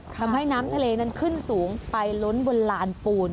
ทำให้น้ำทะเลนั้นขึ้นสูงไปล้นบนลานปูน